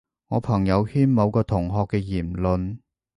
我朋友圈某個同學嘅言論